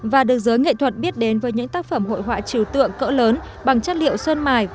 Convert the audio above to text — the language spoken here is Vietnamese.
và được giới nghệ thuật biết đến với những tác phẩm hội họa trừ tượng cỡ lớn bằng chất liệu sơn mài